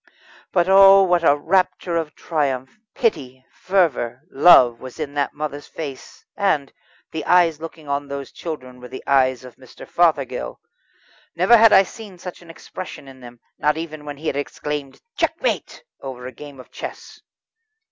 But oh! what a rapture of triumph, pity, fervour, love, was in that mother's face, and the eyes looking on those children were the eyes of Mr. Fothergill. Never had I seen such an expression in them, not even when he had exclaimed "Checkmate" over a game of chess.